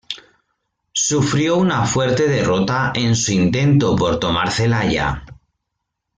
Sufrió una fuerte derrota en su intento por tomar Celaya.